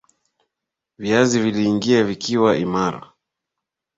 Viazi viliingia vikiwa imara.